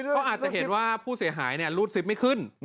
ก็อาจจะเห็นว่าผู้เสียหายเนี่ยรูดซิฟไม่ขึ้น